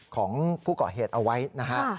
ของผู้เกาะเหตุเอาไว้นะครับ